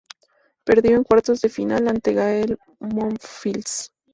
Perdió en cuartos de final ante Gael Monfils.